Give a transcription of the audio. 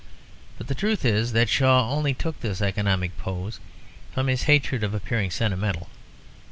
But the truth is that Shaw only took this economic pose from his hatred of appearing sentimental.